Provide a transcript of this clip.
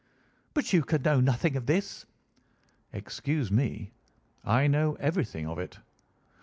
"But you can know nothing of this?" "Excuse me, I know everything of it.